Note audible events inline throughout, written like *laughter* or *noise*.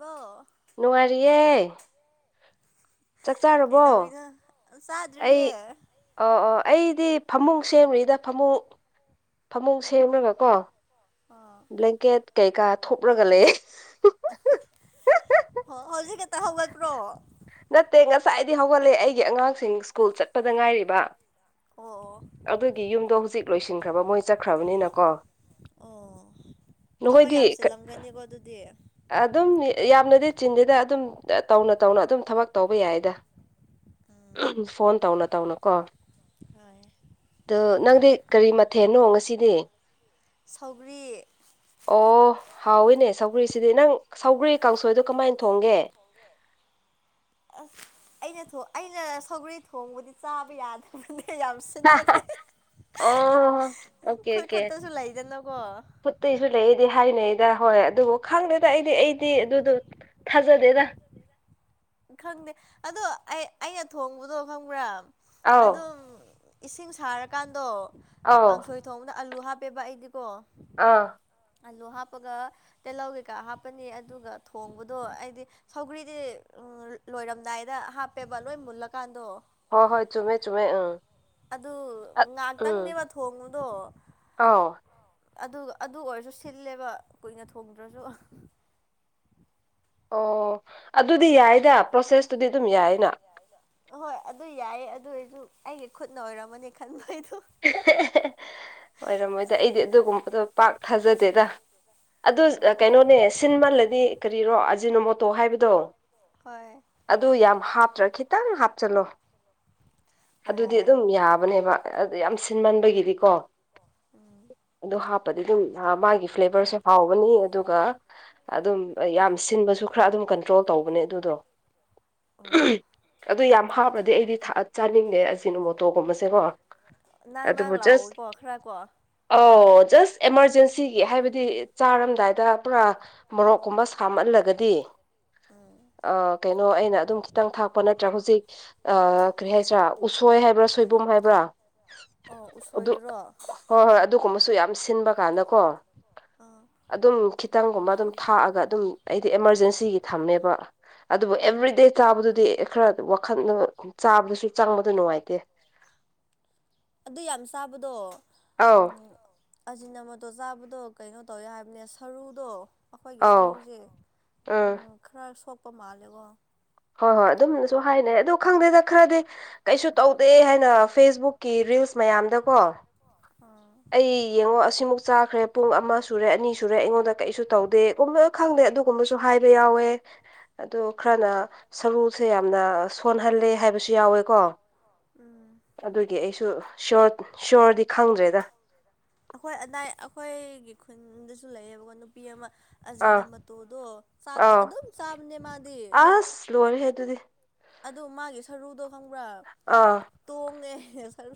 ꯂꯣ ꯅꯨꯡꯉꯥꯢꯔꯤꯌꯦ ꯀꯩꯗꯧꯔꯤꯅꯣ ꯑ ꯆꯥꯗ꯭ꯔꯤꯌꯦ ꯑꯩ ꯑꯣ ꯑꯣ ꯑꯩꯗꯤ ꯐꯃꯨꯡ ꯁꯦꯝꯔꯤꯗ ꯐꯃꯨꯡ ꯐꯃꯨꯡ ꯁꯦꯝꯔꯒ ꯀꯣ ꯑꯥ ꯕ꯭ꯂꯦꯡꯀꯦꯠ ꯀꯩꯀꯥ ꯊꯨꯞꯔꯒ ꯂꯩꯑꯦ ꯍꯣ ꯍꯧꯖꯤꯛ ꯈꯛꯇ ꯍꯧꯒꯠꯄ꯭ꯔꯣ ꯅꯠꯇꯦ ꯉꯁꯥꯏꯗꯩ ꯍꯧꯒꯠꯂꯦ ꯑꯩꯒꯤ ꯑꯉꯥꯡꯁꯤꯡ ꯁ꯭ꯀꯨꯜ ꯆꯠꯄꯗ ꯉꯥꯏꯔꯤꯕ ꯑꯣ ꯑꯣ ꯑꯗꯨꯒꯤ ꯌꯨꯝꯗꯣ ꯍꯧꯖꯤꯛ ꯂꯣꯏꯁꯤꯟꯈ꯭ꯔꯕ ꯃꯣꯏ ꯆꯠꯈ꯭ꯔꯕꯅꯤꯅꯀꯣ ꯑꯣ ꯊꯕꯛ ꯅꯈꯣꯏꯗꯤ ꯌꯥꯝ ꯆꯤꯜꯂꯝꯒꯅꯤꯀꯣ ꯗꯨꯗꯤ ꯑꯗꯨꯝ ꯌꯥꯝꯅꯗꯤ ꯆꯤꯟꯗꯦꯗ ꯑꯗꯨꯝ ꯇꯧꯅ ꯇꯧꯅ ꯑꯗꯨꯝ ꯊꯕꯛ ꯇꯧꯕ ꯌꯥꯏꯗ ꯐꯣꯟ ꯇꯧꯅ ꯇꯧꯅ ꯀꯣ ꯍꯥꯏꯌ‌ꯦ ꯗꯣ ꯅꯪꯗꯤ ꯀꯔꯤ ꯃꯊꯦꯜꯅꯣ ꯉꯁꯤꯗꯤ ꯁꯧꯒ꯭ꯔꯤ ꯑꯣ ꯍꯥꯎꯋꯤꯅꯦ ꯁꯧꯒ꯭ꯔꯤꯁꯤꯗꯤ ꯅꯪ ꯁꯧꯒ꯭ꯔꯤ ꯀꯥꯡꯁꯣꯏꯗꯣ ꯀꯃꯥꯏꯅ ꯊꯣꯡꯒꯦ ꯑꯁ ꯑꯩꯅ ꯊꯣ ꯑꯩꯅ ꯁꯧꯒ꯭ꯔꯩ ꯊꯣꯡꯕꯗꯤ ꯆꯥꯕ ꯌꯥꯗꯕꯅꯦ ꯌꯥꯝ ꯍꯥ ꯁꯤꯟꯕꯗꯤ ꯑꯣ ꯑꯣꯀꯦ ꯈꯣꯏ ꯑꯣꯀꯦ ꯈꯨꯠꯇꯁꯨ ꯂꯩꯗꯅꯀꯣ ꯈꯨꯠꯇꯩꯁꯨ ꯂꯩꯌ‌ꯦꯗꯤ ꯍꯥꯏꯅꯩꯗ ꯍꯣꯏ ꯑꯗꯨꯕꯨ ꯈꯪꯗꯦꯗ ꯑꯩꯗꯤ ꯑꯩꯗꯤ ꯑꯗꯨꯗꯣ ꯊꯥꯖꯗꯦꯗ ꯈꯪꯗꯦ ꯑꯗꯣ ꯑꯩ ꯑꯩꯅ ꯊꯣꯡꯕꯗꯣ ꯈꯪꯕ꯭ꯔꯥ ꯑꯧ ꯑꯗꯨꯝ ꯏꯁꯤꯡ ꯁꯥꯔꯀꯥꯟꯗꯣ ꯑꯧ ꯀꯥꯡꯁꯣꯏ ꯊꯣꯡꯕꯗ ꯑꯂꯨ ꯍꯥꯞꯄꯦꯕ ꯑꯩꯗꯤꯀꯣ ꯑꯥ ꯑꯂꯨ ꯍꯥꯞꯄꯒ ꯇꯤꯜꯍꯧ ꯀꯩꯀꯥ ꯍꯥꯞꯄꯅꯤ ꯑꯗꯨꯒ ꯊꯣꯡꯕꯗꯣ ꯑꯩꯗꯤ ꯁꯧꯒ꯭ꯔꯤꯗꯤ ꯎꯝ ꯂꯣꯏꯔꯝꯗꯥꯏꯗ ꯍꯥꯞꯄꯦꯕ ꯂꯣꯏ ꯃꯨꯜꯂꯀꯥꯟꯗꯣ ꯍꯣꯏ ꯍꯣꯏ ꯆꯨꯝꯃꯦ ꯆꯨꯝꯃꯦ ꯑꯥ ꯑꯗꯨ ꯉꯥꯛꯇꯪꯅꯦꯕ ꯊꯣꯡꯕꯗꯣ ꯑꯥꯎ ꯑꯗꯨ ꯑꯗꯨ ꯑꯣꯏꯔꯁꯨ ꯁꯤꯜꯂꯦꯕ ꯀꯨꯏꯅ ꯊꯣꯡꯗ꯭ꯔꯁꯨ *inaudible* ꯑꯣ ꯑꯗꯨꯗꯤ ꯌꯥꯏꯗ ꯄ꯭ꯔꯣꯁꯦꯁꯇꯨꯗꯤ ꯑꯗꯨꯝ ꯌꯥꯏꯅ ꯍꯣꯏ ꯑꯗꯨ ꯌꯥꯏꯌꯦ ꯑꯗꯨ ꯑꯣꯏꯁꯨ ꯑꯩꯒꯤ ꯈꯨꯠꯅ ꯑꯣꯏꯔꯝꯃꯅꯤ ꯈꯟꯕ ꯑꯩꯗꯣ *unintelligible* ꯑꯣꯏꯔꯝꯃꯣꯏꯗ ꯑꯩꯗꯤ ꯑꯗꯨꯒꯨꯝꯕꯗꯣ ꯄꯥꯛ ꯊꯥꯖꯗꯦꯗ ꯑꯗꯨ ꯑꯣ ꯀꯩꯅꯣꯅꯦ ꯁꯤꯟꯃꯜꯂꯗꯤ ꯀꯔꯤꯔꯣ ꯑꯖꯤꯅꯣꯃꯣꯇꯣ ꯍꯥꯏꯕꯗꯣ ꯍꯣꯏ ꯑꯗꯨ ꯌꯥꯝ ꯍꯥꯞꯇ꯭ꯔꯥ ꯈꯤꯇꯪ ꯍꯥꯞꯆꯤꯜꯂꯣ ꯑꯣ ꯑꯗꯨꯗꯤ ꯑꯗꯨꯝ ꯌꯥꯕꯅꯦꯕ ꯑꯗꯨ ꯌꯥꯝ ꯁꯤꯟꯃꯟꯕꯒꯤꯗꯤꯀꯣ ꯑꯗꯨ ꯍꯥꯞꯄꯗꯤ ꯑꯗꯨꯝ ꯃꯥꯒꯤ ꯐ꯭ꯂꯦꯕꯔꯁꯦ ꯍꯥꯎꯒꯅꯤ ꯑꯗꯨꯒ ꯑꯗꯨꯝ ꯌꯥꯝ ꯁꯤꯟꯕꯁꯨ ꯈꯔ ꯑꯗꯨꯝ ꯀꯟꯇ꯭ꯔꯣꯜ ꯇꯧꯕꯅꯦ ꯑꯗꯨꯗꯣ ꯑꯣ *unintelligible* ꯑꯗꯨ ꯌꯥꯝ ꯍꯥꯞꯂꯗꯤ ꯑꯩꯗꯤ ꯊ ꯆꯥꯅꯤꯡꯗꯦ ꯑꯖꯤꯅꯣꯃꯣꯇꯣ ꯒꯨꯝꯕꯁꯦꯀꯣ ꯅꯥꯡ ꯅꯥꯡ ꯂꯥꯎꯋꯤꯀꯣ ꯈꯔ ꯀꯣ ꯑꯧ ꯖꯁ ꯑꯦꯃꯥꯔꯖꯦꯟꯁꯤꯒꯤ ꯍꯥꯏꯕꯗꯤ ꯆꯥꯔꯝꯗꯥꯏꯗ ꯄꯨꯔꯥ ꯃꯣꯔꯣꯛꯀꯨꯝꯕ ꯁꯥꯝꯍꯜꯂꯒꯗꯤ ꯑꯥ ꯀꯩꯅꯣ ꯑꯩꯅ ꯑꯗꯨꯝ ꯈꯤꯇꯪ ꯊꯥꯛꯄ ꯅꯠꯇ꯭ꯔꯥ ꯍꯧꯖꯤꯛ ꯑꯥ ꯀꯔꯤ ꯍꯥꯏꯁꯤꯔꯥ ꯎꯁꯣꯏ ꯍꯥꯏꯕ꯭ꯔꯥ ꯁꯣꯏꯕꯨꯝ ꯍꯥꯏꯕ꯭ꯔꯥ ꯑꯣ ꯑꯗꯨ ꯎꯁꯣꯏꯗꯨꯔꯣ ꯍꯣꯏ ꯍꯣꯏ ꯑꯗꯨꯒꯨꯝꯕꯁꯨ ꯌꯥꯝ ꯁꯤꯟꯕ ꯀꯥꯟꯗꯀꯣ ꯑꯥ ꯑꯗꯨꯝ ꯈꯤꯇꯪꯒꯨꯝꯕ ꯑꯗꯨꯝ ꯊꯥꯛꯑꯒ ꯑꯗꯨꯝ ꯑꯩꯗꯤ ꯑꯦꯃꯔꯖꯦꯟꯁꯤꯒꯤ ꯊꯝꯃꯦꯕ ꯑꯗꯨꯕꯨ ꯑꯦꯚ꯭ꯔꯤꯗꯦ ꯆꯥꯕꯗꯨꯗꯤ ꯈꯔ ꯋꯥꯈꯟꯗꯣ ꯆꯥꯕꯗꯁꯨ ꯆꯪꯕꯗ ꯅꯨꯡꯉꯥꯏꯇꯦ ꯑꯗꯨ ꯌꯥꯝ ꯆꯥꯕꯗꯣ ꯑꯧ ꯎꯝ ꯑꯖꯤꯅ ꯃꯣꯇꯣ ꯆꯥꯕꯗꯣ ꯀꯩꯅꯣ ꯇꯧꯋꯦ ꯍꯥꯏꯕꯅꯦ ꯁꯔꯨꯗꯣ ꯑꯈꯣꯏꯒꯤ ꯑꯧ ꯁꯔꯨꯁꯦ ꯎꯝ ꯈꯔ ꯁꯣꯛꯄ ꯃꯥꯜꯂꯦꯀꯣ ꯍꯣꯏ ꯍꯣꯏ ꯑꯗꯨꯝꯅꯁꯨ ꯍꯥꯏꯅꯩ ꯑꯗꯨ ꯈꯪꯗꯦꯗ ꯈꯔꯗꯤ ꯀꯩꯁꯨ ꯇꯧꯗꯦ ꯍꯥꯏꯅ ꯐꯦꯁꯕꯨꯛꯀꯤ ꯔꯤꯜꯁ ꯃꯌꯥꯝꯗꯀꯣ ꯑꯥ ꯑꯩ ꯌꯦꯡꯉꯣ ꯑꯁꯤꯃꯨꯛ ꯆꯥꯈ꯭ꯔꯦ ꯄꯨꯡ ꯑꯃ ꯁꯨꯔꯦ ꯑꯅꯤ ꯁꯨꯔꯦ ꯑꯩꯉꯣꯟꯗ ꯀꯩꯁꯨ ꯇꯧꯗꯦ *unintelligible* ꯈꯪꯗꯦ ꯑꯗꯨꯒꯨꯝꯕꯁꯨ ꯍꯥꯏꯕ ꯌꯥꯎꯋꯦ ꯑꯗꯣ ꯈꯔꯅ ꯁꯔꯨꯁꯦ ꯌꯥꯝꯅ ꯁꯣꯟꯍꯜꯂꯦ ꯍꯥꯏꯕꯁꯨ ꯌꯥꯎꯋꯦꯀꯣ ꯎꯝ ꯑꯗꯨꯒꯤ ꯑꯩꯁꯨ ꯁꯌꯣꯔ ꯁꯌꯣꯔꯗꯤ ꯈꯪꯗ꯭ꯔꯦꯗ ꯑꯩꯈꯣꯏ ꯑꯗꯥꯏ ꯑꯩꯈꯣꯏꯒꯤ ꯈꯨꯟꯗꯁꯨ ꯂꯩꯌꯦꯕꯀꯣ ꯅꯨꯄꯤ ꯑꯃ ꯑꯖꯤꯅ ꯑꯥ ꯃꯇꯣꯗꯣ ꯆꯥꯛꯀ ꯑꯥꯎ ꯑꯗꯨꯝ ꯆꯥꯕꯅꯦ ꯃꯥꯗꯤ ꯑꯁ ꯂꯣꯏꯔꯦꯍꯦ ꯑꯗꯨꯗꯤ ꯑꯗꯣ ꯃꯥꯒꯤ ꯁꯔꯨꯗꯣ ꯈꯪꯕ꯭ꯔꯥ ꯑꯥ ꯇꯣꯡꯉꯦ ꯁꯔꯨ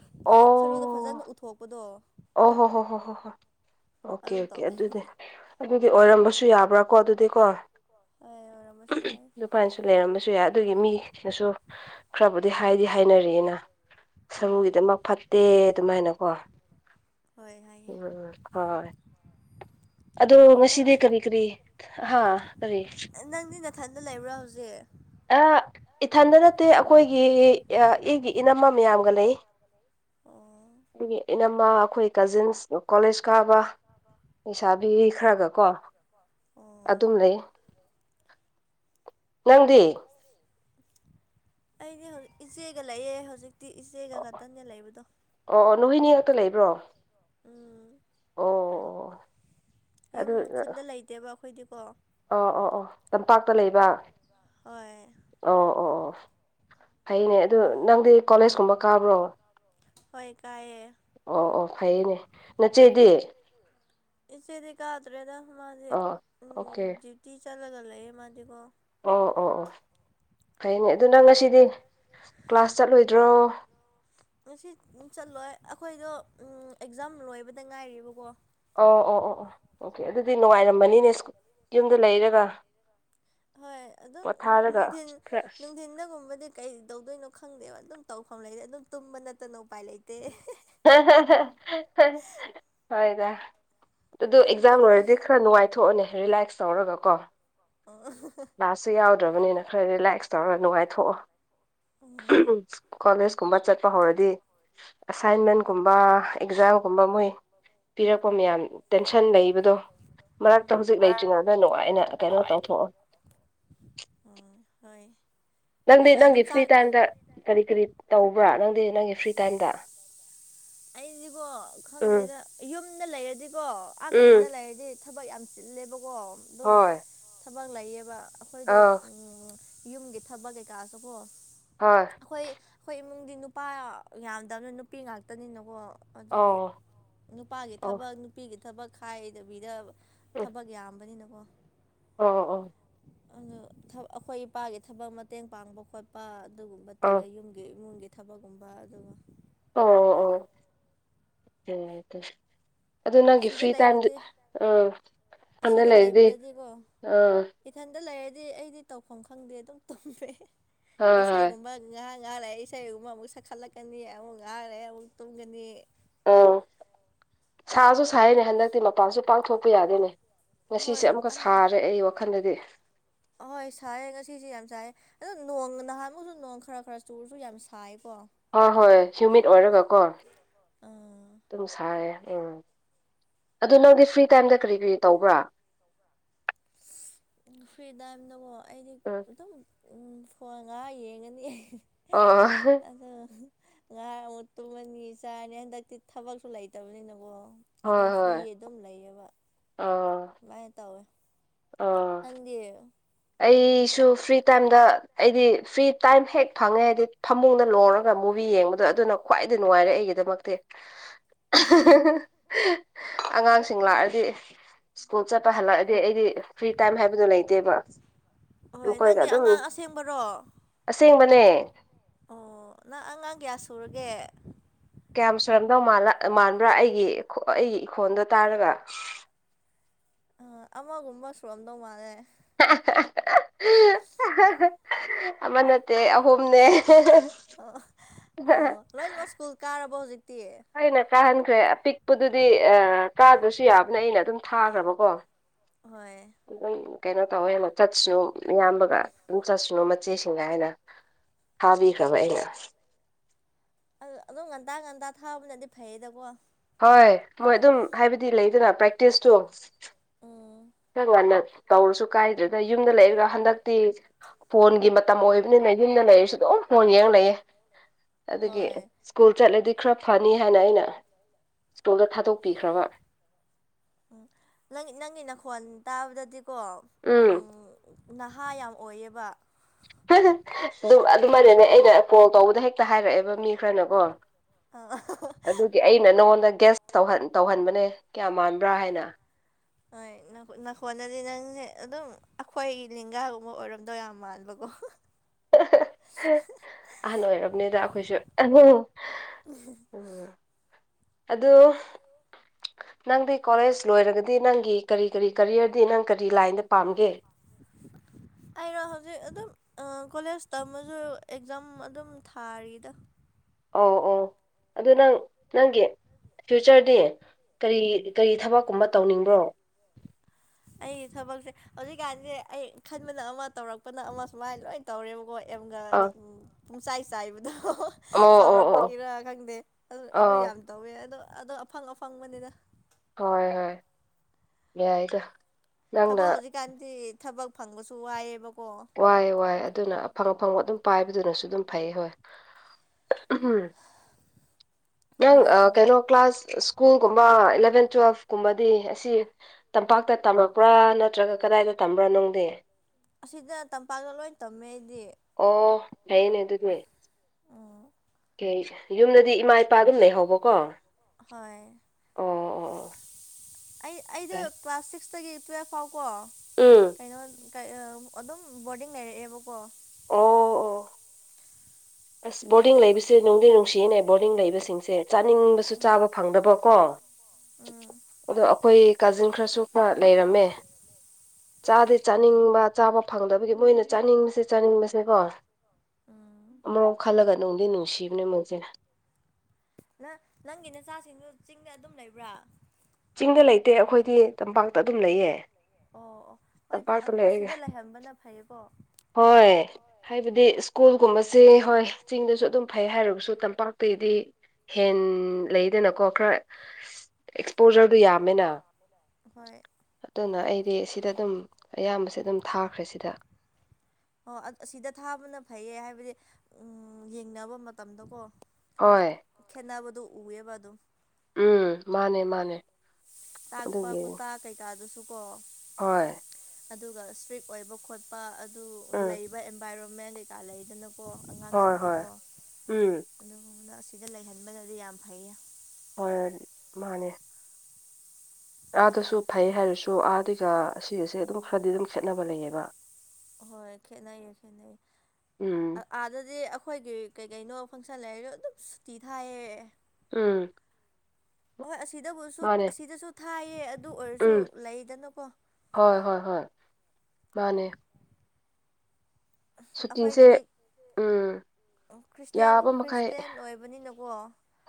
ꯁꯔꯨꯗꯣ ꯐꯥꯖꯅ ꯑꯣ ꯎꯠꯊꯣꯛꯄꯗꯣ ꯑꯣ ꯍꯣ ꯍꯣ ꯍꯣ ꯍꯣ ꯍꯣ ꯑꯣꯀꯦ ꯑꯗꯨ ꯑꯣꯀꯦ ꯇꯧꯋꯦ ꯑꯗꯨꯅꯦ ꯑꯗꯨꯒꯤ ꯑꯣꯏꯔꯝꯕꯁꯨ ꯌꯥꯕ꯭ꯔꯥꯀꯣ ꯑꯗꯨꯗꯤꯀꯣ ꯍꯣꯏ ꯑꯣꯏꯔꯝꯕꯁꯨ ꯌꯥꯏ *unintelligible* ꯂꯩꯔꯝꯝꯕꯁꯨ ꯌꯥꯏ ꯑꯗꯨꯒꯤ ꯃꯤꯁꯤꯡꯅꯁꯨ ꯈꯔꯕꯨꯗꯤ ꯍꯥꯏꯗꯤ ꯍꯥꯏꯅꯔꯤꯑꯅ ꯎꯝ ꯁꯔꯨꯒꯤꯗꯃꯛ ꯐꯠꯇꯦ ꯑꯗꯨꯃꯥꯏꯅꯀꯣ ꯍꯣꯏ ꯍꯥꯏꯌꯦ ꯎꯝ ꯍꯣꯏ ꯑꯗꯣ ꯉꯁꯤꯗꯤ ꯅꯪꯗꯤ ꯀꯔꯤ ꯀꯔꯤ ꯍꯥ ꯀꯔꯤ ꯅꯪꯗꯤ ꯅꯊꯟꯗ ꯂꯩꯕ꯭ꯔꯥ ꯍꯧꯖꯤꯛ ꯑ ꯏꯊꯟꯗ ꯅꯠꯇꯦ ꯑꯩꯈꯣꯏꯒꯤ ꯑ ꯏꯒꯤ ꯏꯅꯝꯃ ꯃꯌꯥꯝꯒ ꯂꯩ ꯑꯣ ꯑꯗꯨꯒꯤ ꯏꯅꯝꯃꯥ ꯑꯩꯈꯣꯏ ꯀꯖꯤꯟꯁ ꯀꯣꯂꯦꯖ ꯀꯥꯕ ꯂꯩꯁꯥꯕꯤ ꯈꯔꯒꯀꯣ ꯑꯣ ꯑꯗꯨꯝ ꯂꯩ ꯅꯪꯗꯤ *inaudible* ꯑꯩꯗꯤ ꯍꯧꯖꯤꯛ ꯏꯆꯦꯒ ꯂꯩꯌꯦ ꯍꯧꯖꯤꯛꯇꯤ ꯏꯆꯦꯒ ꯈꯛꯇꯅꯦ ꯂꯩꯕꯗꯣ ꯑꯣ ꯑꯣ ꯅꯣꯍꯣꯏꯅꯤꯈꯛꯇ ꯂꯩꯕ꯭ꯔꯣ ꯎꯝ ꯑꯣ ꯑꯣ ꯌꯨꯝ ꯈꯨꯟꯗ ꯂꯩꯇꯦꯕ ꯑꯩꯈꯣꯏꯗꯤꯀꯣ ꯑ ꯑꯣ ꯑꯣ ꯇꯝꯄꯥꯛꯇ ꯂꯩꯕ ꯍꯣꯏ ꯑꯣ ꯑꯣ ꯑꯣ ꯐꯩꯅꯦ ꯑꯗꯨ ꯅꯪꯗꯤ ꯀꯣꯂꯦꯖꯀꯨꯝꯕ ꯀꯥꯕ꯭ꯔꯣ ꯥꯏꯅꯤꯀꯥꯏꯌꯦ ꯑꯣ ꯑꯣ ꯐꯩꯌꯦꯅꯦ ꯅꯆꯦꯗꯤ ꯏꯆꯦꯗꯤ ꯀꯥꯇꯔꯦꯗ ꯃꯥꯗꯤ ꯑꯣ ꯎꯝ ꯑꯣꯀꯦ ꯗꯨꯏꯇꯤ ꯇꯤ ꯆꯂꯒ ꯂꯩꯌꯦ ꯃꯥꯗꯤꯀꯣ ꯑꯣ ꯑꯣ ꯑꯣ ꯐꯩꯅꯦ ꯑꯗꯨ ꯅꯪ ꯉꯁꯤꯗꯤ ꯀ꯭ꯂꯥꯁ ꯆꯠꯂꯣꯏꯗ꯭ꯔꯣ ꯉꯁꯤ ꯆꯠꯂꯣꯏ ꯑꯩꯈꯣꯏꯗꯣ ꯎꯝ ꯑꯦꯛꯖꯥꯝ ꯂꯣꯏꯕꯗ ꯉꯥꯏꯔꯤꯕꯀꯣ ꯑꯣ ꯑꯣ ꯑꯣ ꯑꯣ ꯑꯣꯀꯦ ꯑꯗꯨꯗꯤ ꯅꯨꯡꯉꯥꯏꯔꯃꯅꯤꯅꯦ ꯌꯨꯝꯗ ꯂꯩꯔꯒ ꯍꯣꯏ ꯑꯗꯨ ꯄꯣꯊꯥꯔꯒ ꯅꯨꯡꯊꯤꯟ ꯈꯔ ꯅꯨꯡꯊꯤꯟꯗꯒꯨꯝꯕꯗꯤ ꯀꯩꯗꯧꯗꯣꯏꯅꯣ ꯈꯪꯗꯦꯕ ꯑꯗꯨꯝ ꯇꯧꯐꯝ ꯂꯩꯇꯦ ꯑꯗꯨꯝ ꯇꯨꯝꯕ ꯅꯠꯇꯅ ꯎꯄꯥꯏ ꯂꯩꯇꯦ ꯍꯣꯏꯗꯥ ꯑꯗꯨ ꯑꯗꯨꯝ ꯑꯦꯛꯖꯥꯝ ꯇꯨꯝꯃꯦ ꯂꯣꯏꯔꯗꯤ ꯈꯔ ꯅꯨꯡꯉꯥꯏꯊꯣꯛꯑꯣꯅꯦ ꯔꯤꯂꯦꯛꯁ ꯇꯧꯔꯒ ꯀꯣ *unintelligible* ꯀ꯭ꯂꯥꯁꯁꯨ ꯌꯥꯎꯗ꯭ꯔꯕꯅꯤꯅ ꯈꯔ ꯔꯤꯂꯦꯛꯁ ꯇꯧꯔꯒ ꯅꯨꯡꯉꯥꯏꯊꯣꯛꯑꯣ ꯎꯝ ꯀꯣꯂꯦꯖ ꯀꯨꯝꯕ ꯆꯠꯄ ꯍꯧꯔꯗꯤ ꯑꯁꯥꯏꯟꯃꯦꯟ ꯀꯨꯝꯕ ꯑꯦꯛꯖꯥꯝꯒꯨꯝꯕ ꯃꯣꯏ ꯄꯤꯔꯛꯄ ꯃꯌꯥꯝ ꯇꯦꯟꯁꯟ ꯂꯩꯕꯗꯣ ꯃꯔꯛꯇ ꯍꯧꯖꯤꯛ ꯃꯔꯛꯇ ꯂꯩꯇ꯭ꯔꯤꯉꯩꯗ ꯅꯨꯡꯉꯥꯏꯅ ꯀꯩꯅꯣ ꯇꯧꯊꯣꯛꯑꯣ ꯑ ꯍꯣꯏ ꯅꯪꯗꯤ ꯅꯪꯅ ꯅꯪꯒꯤ ꯑꯗꯨꯝ ꯐ꯭ꯔꯤ ꯆꯥꯛ ꯇꯥꯏꯝꯗ ꯀꯔꯤ ꯀꯔꯤ ꯇꯧꯕ꯭ꯔꯥ ꯅꯪꯗꯤ ꯅꯪꯒꯤ ꯐ꯭ꯔꯤ ꯇꯥꯏꯝꯗ ꯑꯩꯗꯤꯀꯣ ꯎꯝ ꯈꯪꯗꯦꯗ ꯌꯨꯝꯗ ꯂꯩꯔꯗꯤꯀꯣ ꯑꯥ ꯎꯝ ꯈꯨꯟꯗ ꯂꯩꯔꯗꯤ ꯊꯕꯛ ꯌꯥꯝ ꯆꯤꯜꯂꯦꯕꯀꯣ ꯑꯗꯨꯝ ꯍꯣꯏ ꯊꯕꯛ ꯂꯩꯌꯦꯕ ꯑꯩꯈꯣꯏꯗꯣ ꯑꯥ ꯎꯝ ꯌꯨꯝꯒꯤ ꯊꯕꯛ ꯀꯩꯀꯥꯁꯨꯀꯣ ꯍꯣꯏ ꯑꯩꯈꯣꯏ ꯑꯩꯈꯣꯏ ꯏꯃꯨꯡꯗꯤ ꯅꯨꯄꯥ ꯌꯥꯝꯗꯕ ꯅꯨꯄꯤ ꯉꯥꯛꯇꯅꯤꯅꯀꯣ ꯑꯗꯨꯒꯤ ꯑꯧ ꯅꯨꯄꯥꯒꯤ ꯑꯧ ꯊꯕꯛ ꯅꯨꯄꯤꯒꯤ ꯊꯕꯛ ꯈꯥꯏꯗꯕꯤꯗ ꯎꯝ ꯊꯕꯛ ꯌꯥꯝꯕꯅꯤꯅꯀꯣ ꯑꯣ ꯑꯣ ꯑꯗꯨ ꯊꯥ ꯑꯩꯈꯣꯏ ꯏꯄꯥꯒꯤ ꯊꯕꯛ ꯃꯇꯦꯡ ꯄꯥꯡꯕ ꯈꯣꯠꯄ ꯄꯥ ꯑꯗꯨꯒꯨꯝꯕ ꯑꯥ ꯇꯧꯋꯦ ꯌꯨꯝꯒꯤ ꯏꯃꯨꯡꯒꯤ ꯊꯕꯛꯀꯨꯝꯕ ꯑꯗꯨꯒ ꯑꯣ ꯑꯣ *unintelligible* ꯑꯗꯨ ꯅꯪꯒꯤ ꯑꯁꯤꯗ ꯐ꯭ꯔꯤ ꯇꯥꯏꯝꯗ ꯂꯩꯕꯗꯤ ꯑꯥ ꯅꯊꯟꯗ ꯂꯩꯔꯗꯤ ꯑꯥ ꯏꯊꯟꯗ ꯂꯩꯔꯗꯤ ꯑꯩꯗꯤ ꯇꯧꯐꯝ ꯈꯪꯗꯦ ꯑꯗꯨꯝ ꯇꯨꯝꯃꯦ ꯍꯣꯏ ꯍꯣꯏ ꯏꯁꯩꯒꯨꯝꯕ ꯉꯥꯏꯍꯥꯛ ꯉꯥꯏꯍꯥꯛ ꯂꯩꯔ ꯏꯁꯩꯒꯨꯝꯕ ꯑꯃꯨꯛ ꯁꯛꯀꯠꯂꯛꯀꯅꯤ ꯑꯃꯨꯛ ꯉꯥꯏꯍꯥꯛ ꯂꯩꯔ ꯑꯃꯨꯛ ꯇꯨꯝꯒꯅꯤ ꯑꯥ ꯁꯥꯖꯨ ꯁꯥꯏꯌꯦꯅꯦ ꯍꯟꯗꯛꯇꯤ ꯃꯄꯥꯟꯁꯨ ꯄꯥꯛ ꯊꯣꯛꯄ ꯌꯥꯗꯦꯅꯦ ꯉꯁꯤꯁꯦ ꯍꯣꯏ ꯑꯃꯨꯛꯀ ꯁꯥꯔꯦ ꯑꯩ ꯋꯥꯈꯜꯗꯗꯤ ꯑꯣꯍꯣꯏ ꯁꯥꯏ ꯉꯁꯤꯖꯤ ꯌꯥꯝ ꯁꯥꯏ ꯑꯗꯣ ꯅꯣꯡ ꯅꯍꯥꯟꯃꯨꯛꯁꯨ ꯅꯣꯡ ꯈꯔ ꯈꯔ ꯆꯨꯔꯁꯨ ꯌꯥꯝ ꯁꯥꯏꯀꯣ ꯍꯣꯏ ꯍꯣꯏ ꯍ꯭ꯌꯨꯃꯤꯠ ꯑꯣꯏꯔꯒꯀꯣ ꯑꯥ ꯑꯗꯨꯝ ꯁꯥꯔꯦ ꯎꯝ ꯑꯗꯨ ꯅꯪꯗꯤ ꯐ꯭ꯔꯤ ꯇꯥꯏꯝꯗ ꯀꯔꯤ ꯀꯔꯤ ꯇꯧꯕ꯭ꯔꯥ ꯁꯤ ꯐ꯭ꯔꯤ ꯇꯥꯏꯝꯗꯀꯣ ꯑꯩꯗꯤ ꯎꯝ ꯑꯗꯨꯝ ꯎꯝ ꯐꯣꯟ ꯉꯍꯥꯛ ꯌꯦꯡꯉꯅꯤ ꯑꯍꯥ ꯑꯣ ꯑꯥ ꯑꯗꯨ ꯉꯥꯏꯍꯥꯛ ꯑꯃꯨꯛ ꯇꯨꯝꯃꯅꯤ ꯆꯥꯔꯅꯤ ꯍꯟꯗꯛꯇꯤ ꯊꯕꯛꯁꯨ ꯂꯩꯇꯕꯅꯤꯅꯀꯣ ꯑꯗꯨ ꯐ꯭ꯔꯤ ꯑꯗꯨꯝ ꯂꯩꯌꯦꯕ ꯑꯥ ꯃꯥꯏꯅ ꯇꯧꯋꯦ ꯅꯪꯗꯤ ꯑꯩꯁꯨ ꯐ꯭ꯔꯤ ꯇꯥꯏꯝꯗ ꯑꯩꯗꯤ ꯐ꯭ꯔꯤ ꯇꯥꯏꯝ ꯍꯦꯛ ꯐꯪꯉꯦ ꯗꯤ ꯐꯃꯨꯡꯗ ꯂꯣꯏꯔꯒ ꯃꯨꯚꯤ ꯌꯦꯡꯕ ꯗ ꯑꯗꯨꯅ ꯈ꯭ꯋꯥꯏꯗꯒꯤ ꯅꯨꯡꯉꯥꯏꯔꯦ ꯑꯩꯒꯤꯗꯃꯛꯇꯤ *inaudible* ꯑꯍꯥ ꯍꯥ ꯍꯥ ꯍꯥ ꯍꯥ ꯑꯉꯥꯡꯁꯤꯡ ꯂꯥꯛꯑꯗꯤ ꯁ꯭ꯀꯨꯜ ꯆꯠꯄ ꯍꯜꯂꯛꯑꯗꯤ ꯑꯩꯗꯤ ꯐ꯭ꯔꯤ ꯇꯥꯏꯝ ꯍꯥꯏꯕꯗꯣ ꯂꯩꯇꯦꯕ ꯑꯍꯣꯏ ꯃꯈꯣꯏꯒ ꯅꯪꯒꯤ ꯑꯗꯨꯝ ꯑꯉꯥꯡ ꯑꯁꯦꯡꯕꯔꯣ ꯑꯁꯦꯡꯕꯅꯦ ꯑꯣ ꯅꯪ ꯑꯉꯥꯡ ꯀꯌꯥ ꯁꯨꯔꯒꯦ ꯀꯌꯥꯝ ꯁꯨꯔꯝꯗꯧ ꯃꯥꯜꯂ ꯃꯥꯟꯕ꯭ꯔꯥ ꯑꯩꯒꯤ ꯈꯣꯟ ꯑꯩꯒꯤ ꯏꯈꯣꯟꯗ ꯇꯥꯔꯒ ꯑꯥ ꯑꯃꯒꯨꯝꯕ ꯁꯨꯔꯝꯗꯧ ꯃꯥꯜꯂꯦ ꯍꯥ ꯍꯥ ꯍ ꯑꯍꯥ ꯍ ꯑꯃ ꯅꯠ ꯇꯦ ꯑꯍꯨꯝꯨꯅꯦ ꯑꯍꯥ ꯑꯣ ꯍꯥ ꯑꯣ ꯂꯣꯏꯅꯃꯛ ꯁ꯭ꯀꯨꯜ ꯀꯥꯔꯕꯣ ꯍꯧꯖꯤꯛꯇꯤ ꯂꯣꯏꯅ ꯀꯥꯍꯟꯈ꯭ꯔꯦ ꯑꯄꯤꯛꯄꯗꯨꯗꯤ ꯑꯥ ꯀꯥꯗ꯭ꯔꯖꯨ ꯌꯥꯕꯅꯦ ꯑꯩꯅ ꯑꯗꯨꯝ ꯊꯥꯒ꯭ꯔꯕꯀꯣ ꯍꯣꯏ ꯑꯗꯨꯝ ꯀꯩꯅꯣ ꯇꯧꯋꯦ ꯆꯠꯁꯅꯨ ꯃꯌꯥꯝꯕꯒ ꯑꯗꯨꯝ ꯆꯠꯁꯅꯨ ꯃꯥ ꯆꯦꯁꯤꯡꯒ ꯍꯥꯏꯅ ꯊꯥꯕꯤꯈ꯭ꯔꯕ ꯑꯩꯅ ꯑꯥ ꯑꯗꯨꯝ ꯉꯟꯇꯥ ꯉꯟꯇꯥ ꯊꯥꯕꯅꯗꯤ ꯐꯩꯌꯦꯗꯀꯣ ꯍꯣꯏ ꯃꯣꯏ ꯑꯗꯨꯝ ꯍꯥꯏꯕꯗꯤ ꯂꯩꯗꯅ ꯄ꯭ꯔꯦꯛꯇꯤꯁꯇꯣ ꯎꯨꯝ ꯈꯤꯇꯪ ꯉꯟꯅ ꯇꯧꯔꯁꯨ ꯀꯥꯏꯗ꯭ꯔꯦꯗ ꯌꯨꯝꯗ ꯂꯩꯔꯒ ꯍꯟꯗꯛꯇꯤ ꯐꯣꯟꯒꯤ ꯃꯇꯝ ꯑꯣꯏꯕꯅꯤꯅ ꯌꯨꯝꯗ ꯂꯩꯔꯁꯨ ꯑꯗꯨꯝ ꯐꯣꯟ ꯌꯦꯡ ꯂꯩꯌꯦ ꯑꯗꯨꯒꯤ ꯍꯣꯏ ꯁ꯭ꯀꯨꯜ ꯆꯠꯂꯗꯤ ꯈꯔ ꯐꯅꯤ ꯍꯥꯏꯅ ꯑꯩꯅ ꯁ꯭ꯀꯨꯜꯗ ꯊꯥꯗꯣꯛꯄꯤꯈ꯭ꯔꯕ ꯎꯝ ꯅꯪꯒꯤ ꯅꯪꯒꯤ ꯅꯈꯣꯟ ꯇꯥꯕꯗꯗꯤꯀꯣ ꯎꯝ ꯅꯍꯥ ꯌꯥꯝ ꯑꯣꯏꯌꯦꯕ ꯍꯟ ꯑꯗꯨꯝ ꯑꯗꯨꯃꯥꯏꯅꯅꯦ ꯑꯩꯅ ꯀꯣꯜ ꯇꯧꯕꯗ ꯍꯦꯛꯇ ꯍꯥꯏꯔꯛꯑꯦꯕ ꯃꯤ ꯈ꯭ꯔꯅꯀꯣ ꯑ ꯑꯗꯨꯝ ꯑꯩꯅ ꯅꯉꯣꯟꯗ ꯒꯦꯁ ꯇꯧꯍꯟ ꯇꯧꯍꯟꯕꯅꯦ ꯀꯌꯥ ꯃꯥꯟꯕ꯭ꯔꯥ ꯍꯥꯏꯅ *inaudible* ꯍꯣꯏ ꯅꯈꯣ ꯅꯈꯣꯟꯗꯗꯤ ꯅꯪꯁꯦ ꯑꯗꯨꯝ ꯑꯩꯈꯣꯏꯒꯤ ꯂꯦꯡꯒꯥꯒꯨꯝꯕ ꯑꯣꯏꯔꯝꯗꯧ ꯌꯥꯝ ꯃꯥꯟꯕꯀꯣ ꯑꯍꯥ ꯍꯥ ꯍꯥ ꯑꯍꯟ ꯑꯣꯏꯔꯕꯅꯤꯗ ꯑꯩꯈꯣꯏꯁꯨ ꯑꯍꯝ ꯑꯗꯨ ꯅꯪꯗꯤ ꯀꯣꯂꯦꯖ ꯂꯣꯏꯔꯒꯗꯤ ꯅꯪꯒꯤ ꯀꯔꯤ ꯀꯔꯤ ꯀ꯭ꯔꯔꯤꯌꯔꯗꯤ ꯅꯪ ꯀꯔꯤ ꯂꯥꯏꯟꯗ ꯄꯥꯝꯒꯦ *inaudible* ꯑꯩꯔꯣ ꯍꯧꯖꯤꯛ ꯑꯗꯨꯝ ꯀꯣꯂꯦꯖ ꯇꯝꯃꯖꯨ ꯑꯦꯛꯖꯥꯝ ꯑꯗꯨꯝ ꯊꯥꯔꯤꯗ ꯑꯧ ꯑꯧ ꯑꯗꯨ ꯅꯪ ꯅꯪꯒꯤ ꯐ꯭ꯌꯨꯆꯔꯗꯤ ꯀꯔꯤ ꯀꯔꯤ ꯊꯕꯛꯀꯨꯝꯕ ꯇꯧꯅꯤꯡꯕ꯭ꯔꯣ ꯑꯩ ꯊꯕꯛꯁꯦ ꯍꯧꯖꯤꯛꯀꯥꯟꯁꯦ ꯑꯩ ꯈꯟꯕꯅ ꯑꯃ ꯇꯧꯔꯛꯄꯅ ꯑꯃ ꯁꯨꯃꯥꯏꯅ ꯂꯣꯏ ꯇꯧꯔꯦꯕꯀꯣ ꯑꯦꯝꯒꯥ ꯑꯥ ꯄꯨꯝꯆꯥꯏ ꯆꯥꯏꯕꯗꯣ ꯑꯣ ꯑꯣ ꯑꯣ ꯑꯣ ꯆꯥꯎꯔꯛꯄꯒꯤꯔ ꯈꯪꯗꯦ ꯑꯗꯨ ꯑꯗꯨ ꯑꯥ ꯌꯥꯝ ꯇꯧꯋꯦ ꯑꯗꯣ ꯑꯐꯪ ꯑꯐꯪ ꯕꯅꯤꯗ ꯍꯣꯏ ꯍꯣꯏ ꯌꯥꯏꯗ ꯅꯪꯅ ꯊꯕꯛ ꯍꯧꯖꯤꯛꯀꯥꯟꯗꯤ ꯊꯕꯛ ꯐꯪꯕꯁꯨ ꯋꯥꯌꯦꯕ ꯀꯣ ꯋꯥꯏ ꯋꯥꯏ ꯑꯗꯨꯅ ꯑꯐꯪ ꯑꯐꯪꯕ ꯑꯗꯨꯝ ꯄꯥꯏꯕꯗꯨꯅꯁꯨ ꯑꯗꯨꯝ ꯐꯩ ꯍꯣꯏ ꯑꯍꯝ ꯅꯪ ꯍꯣꯏ ꯑꯗꯨ ꯀꯩꯅꯣ ꯀ꯭ꯂꯥꯁ ꯁ꯭ꯀꯨꯜꯒꯨꯝꯕ ꯏꯂꯚꯦꯟ ꯇꯨꯋꯦꯜꯐ ꯀꯨꯝꯕꯗꯤ ꯑꯁꯤ ꯇꯝꯄꯥꯛꯇ ꯇꯝꯂꯛꯄ꯭ꯔꯥ ꯅꯠꯇ꯭ꯔꯒ ꯀꯗꯥꯏꯗ ꯇꯝꯕ꯭ꯔꯥ ꯅꯪꯗꯤ ꯑꯁꯤꯗ ꯇꯝꯄꯥꯛꯇ ꯂꯣꯏ ꯇꯝꯃꯦ ꯑꯩꯗꯤ ꯑꯣ ꯐꯌꯦꯅꯦ ꯑꯗꯨꯗꯤ ꯎꯝ ꯀꯩ ꯌꯨꯝꯗꯗꯤ ꯏꯃꯥ ꯏꯄꯥ ꯑꯗꯨꯝ ꯂꯩꯍꯧꯕꯀꯣ ꯍꯣꯏ ꯑꯣ ꯑꯣ ꯑꯩ ꯑꯩꯗꯨ ꯐꯩ ꯀ꯭ꯂꯥꯁ ꯁꯤꯛꯁꯇꯒꯤ ꯇꯨꯋꯦꯜꯐ ꯐꯥꯎꯀꯣ ꯎꯝ ꯀꯩꯅꯣ ꯀꯩ ꯑꯗꯨꯝ ꯕꯣꯔꯗꯤꯡ ꯂꯩꯔꯛꯑꯦꯕꯀꯣ ꯑꯣ ꯑꯣ ꯑꯁ ꯕꯣꯔꯗꯤꯡ ꯑꯗꯨꯁꯨ ꯂꯩꯕꯁꯦ ꯅꯨꯡꯗꯤ ꯅꯨꯡꯁꯤꯅꯦ ꯕꯣꯔꯗꯤꯡ ꯂꯩꯕꯁꯤꯡꯁꯦ ꯆꯥꯅꯤꯡꯕꯁꯨ ꯎꯝ ꯆꯥꯕ ꯐꯪꯗꯕꯀꯣ ꯎꯝ ꯑꯗꯣ ꯑꯈꯣꯏ ꯀꯥꯖꯤꯟ ꯈꯔꯁꯨ ꯈꯔ ꯂꯩꯔꯝꯃꯦ ꯆꯥꯗꯤ ꯆꯥꯅꯤꯡꯕ ꯆꯥꯕ ꯐꯪꯗꯕꯒꯤ ꯃꯣꯏꯅ ꯆꯥꯅꯤꯡꯕꯁꯦ ꯆꯥꯅꯤꯡꯕꯁꯦꯀꯣ ꯎꯝ ꯑꯃꯨꯃꯨꯛ ꯈꯜꯂꯒ ꯅꯨꯡꯗꯤ ꯅꯨꯡꯁꯤꯕꯅꯦ ꯃꯣꯢꯖꯦ ꯅꯪ ꯅꯪꯒꯤ ꯅꯆꯥꯁꯤꯡꯗꯨ ꯆꯤꯡꯗ ꯑꯗꯨꯝ ꯂꯩꯕ꯭ꯔꯥ ꯆꯤꯡꯗ ꯂꯩꯇꯦ ꯑꯈꯣꯏꯗꯤ ꯇꯝꯄꯥꯛꯇ ꯑꯗꯨꯝ ꯂꯩꯌꯦ ꯑꯣ ꯑꯣ ꯍꯣꯏꯗ ꯇꯝꯄꯥꯛꯇ ꯑꯪ ꯂꯩꯔꯒ ꯑꯁꯤꯗ ꯂꯩꯍꯟꯕꯅ ꯐꯩꯌꯦꯀꯣ ꯍꯣꯏ ꯍꯥꯏꯕꯗꯤ ꯁ꯭ꯀꯨꯜꯒꯨꯝꯕꯁꯦ ꯍꯣꯏ ꯆꯤꯡꯗꯁꯨ ꯑꯗꯨꯝ ꯐꯩ ꯍꯥꯏꯔꯨꯕꯁꯨ ꯇꯝꯄꯥꯛꯇꯩꯗꯤ ꯍꯦꯟ ꯂꯦ ꯗꯥꯅꯀꯣ ꯈꯔ ꯑꯦꯛꯁꯄꯣꯖꯔ ꯗꯣ ꯌꯥꯝꯃꯦꯅ ꯍꯣꯏ ꯑꯗꯨꯅ ꯑꯩꯗꯤ ꯁꯤꯗ ꯗꯨꯝ ꯑꯌꯥꯝꯕꯁꯦ ꯑꯗꯨꯝ ꯊꯥꯈ꯭ꯔꯦ ꯁꯤꯗ ꯍꯣ ꯑ ꯑꯁꯤꯗ ꯊꯥꯕꯅ ꯐꯩꯌꯦ ꯍꯥꯏꯕꯗꯤ ꯎꯝ ꯌꯦꯡꯅꯕ ꯃꯇꯝꯗꯀꯣ ꯈꯔ ꯍꯣꯏ ꯈꯦꯠꯅꯕꯗꯣ ꯎꯌꯦꯕ ꯑꯗꯨꯝ ꯎꯝ ꯃꯥꯅꯦ ꯃꯥꯅꯦ ꯇꯥꯛꯄ ꯑꯗꯨꯒꯤ ꯈꯣꯠꯄ ꯀꯩꯀꯥꯗꯨꯁꯨ ꯀꯣ ꯍꯣꯏ ꯑꯗꯨꯒ ꯏꯁꯇ꯭ꯔꯤꯛ ꯑꯣꯏꯕ ꯈꯣꯠꯄ ꯑꯗꯨ ꯎꯝ ꯂꯩꯕ ꯏꯟꯚꯥꯏꯔꯣꯟꯃꯦꯟ ꯀꯩꯀꯥ ꯂꯩꯗꯅ ꯀꯣ ꯍꯣꯏ ꯍꯣꯏ ꯑꯉꯥꯡꯁꯤꯡꯗꯤꯀꯣ ꯎꯝ ꯑꯗꯨꯒꯨꯝꯕꯗ ꯑꯁꯤꯗ ꯂꯩꯍꯟꯕꯅꯗꯤ ꯌꯥꯝ ꯐꯩꯌꯦ ꯍꯣꯏ ꯃꯥꯟꯅꯦ ꯑꯥꯗꯁꯨ ꯐꯩꯌꯦ ꯍꯥꯏꯔꯁꯨ ꯑꯥꯗꯤꯒ ꯑꯁꯤꯒꯁꯦ ꯑꯗꯨꯝ ꯈꯔꯗꯤ ꯗꯨꯝ ꯈꯦꯠꯅꯕ ꯂꯩꯌꯦꯕ ꯍꯣꯏ ꯈꯦꯠꯅꯩꯌꯦ ꯈꯦꯠꯅꯩꯌ‌ꯦ ꯎꯝ ꯑ ꯑꯥ ꯗꯗꯤ ꯑꯈꯣꯏꯒꯤ ꯀꯩ ꯀꯩꯅꯣ ꯐꯪꯁꯟ ꯂꯩꯔꯁꯨ ꯑꯗꯨꯝ ꯁꯨꯇꯤ ꯊꯥꯏꯌꯦ ꯑꯝ ꯍꯣꯏ ꯑꯁꯤꯗꯕꯨꯁꯨ ꯑꯁꯤꯗꯁꯨ ꯊꯥꯏꯌꯦ ꯑꯗꯨ ꯑꯣꯏꯔꯁꯨ ꯎꯝ ꯂꯩꯗꯅꯀꯣ ꯍꯣꯏ ꯍꯣꯏ ꯍꯣꯏ ꯃꯥꯟꯅꯦ ꯁꯨꯇꯤꯁꯦ ꯎꯝ ꯈ꯭ꯔꯤꯁꯇ꯭ꯌꯟ ꯌꯥꯕ ꯃꯈꯩ ꯈ꯭ꯔꯤꯁꯇ꯭ꯌꯟ ꯑꯣꯏꯕꯅꯤꯅꯀꯣ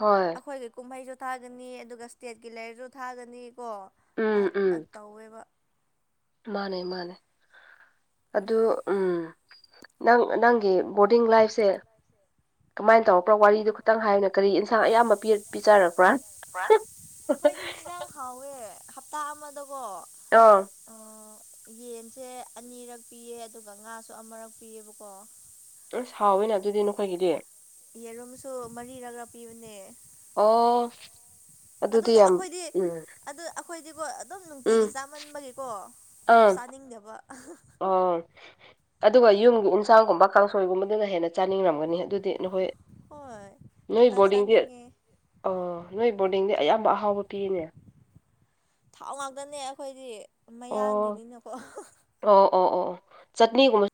ꯍꯣꯏ ꯑꯈꯣꯏꯒꯤ ꯀꯨꯝꯍꯩꯁꯨ ꯊꯥꯒꯅꯤ ꯑꯗꯨꯒ ꯁ꯭ꯇꯦꯠꯀꯤ ꯂꯩꯥꯏꯔꯁꯨ ꯊꯥꯒꯅꯤꯀꯣ ꯑ ꯑ ꯇꯧꯋꯦꯕ ꯃꯥꯟꯅꯦ ꯃꯥꯟꯅꯦ ꯑꯗꯨ ꯎꯝ ꯅꯪ ꯅꯪꯒꯤ ꯕꯣꯔꯗꯤꯡ ꯂꯥꯏꯐꯁꯦ ꯀꯃꯥꯏꯅ ꯇꯧꯔꯛꯄ꯭ꯔꯥ ꯋꯥꯔꯤꯗꯨ ꯈꯤꯇꯪ ꯍꯥꯏꯌꯨꯅ ꯀꯔꯤ ꯏꯟꯁꯥꯡ ꯑꯌꯥꯝꯕ ꯄꯤꯔꯛ ꯄꯤꯖꯔꯛꯄ꯭ꯔꯥ ꯑꯈꯣꯏꯗꯤ ꯍꯤꯟꯖꯥꯡ ꯍꯥꯎꯋꯦ ꯍꯞꯇꯥ ꯑꯃꯗꯀꯣ *unintelligible* ꯑꯣ ꯌꯦꯟꯁꯦ ꯑꯅꯤꯔꯛ ꯄꯤꯌꯦ ꯑꯗꯨꯒ ꯉꯥꯁꯨ ꯑꯃꯔꯛ ꯄꯤꯌꯦꯕꯀꯣ ꯑꯁ ꯍꯥꯎꯋꯦꯅ ꯑꯗꯨꯗꯤ ꯅꯈꯣꯏꯒꯤꯗꯤ ꯌꯦꯔꯨꯝꯁꯨ ꯃꯔꯤꯔꯛꯔ ꯄꯤꯕꯅꯦ ꯑꯣ ꯑꯗꯨꯗꯤ ꯑꯗꯨꯅ ꯌꯥꯝ ꯑꯩꯈꯣꯏꯗꯤ ꯎꯝ ꯑꯗꯨ ꯑꯈꯣꯏꯗꯤꯀꯣ ꯑꯗꯨꯝ ꯅꯨꯡꯇꯤꯒꯤ ꯎꯝ ꯆꯥꯃꯟꯕꯒꯤꯀꯣ ꯆꯥꯅꯤꯡꯗꯕ ꯑꯣ ꯑꯗꯨꯒ ꯌꯨꯝꯒꯤ ꯏꯟꯁꯥꯡꯒꯨꯝꯕ ꯀꯥꯡꯁꯣꯏꯒꯨꯝꯕꯗꯨꯅ ꯍꯦꯟꯅ ꯆꯥꯅꯤꯡꯔꯝꯒꯅꯤ ꯑꯗꯨꯗꯤ ꯅꯈꯣꯏ ꯍꯣꯏ ꯅꯣꯏ ꯕꯣꯔꯗꯤꯡꯗꯤ ꯆꯥꯅꯤꯡꯉꯦ ꯑꯣ ꯅꯣꯏ ꯕꯣꯔꯗꯤꯡꯗꯤ ꯑꯌꯥꯝꯕ ꯑꯍꯥꯎꯕ ꯄꯤꯌꯦꯅꯦ ꯊꯥꯎ ꯉꯥꯛꯇꯅꯦ ꯑꯈꯣꯏꯗꯤ ꯑꯣ ꯃꯌꯥꯡꯒꯤꯅꯤꯅꯀꯣ ꯑꯣ ꯑꯣ ꯑꯣ ꯆꯥꯠꯅꯤꯒꯨꯝꯕ